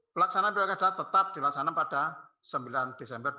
pelaksanaan pilkada tetap dilaksanakan pada sembilan desember dua ribu dua